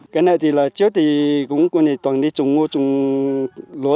cái này thì là trước thì cũng toàn đi trùng ngô trùng lúa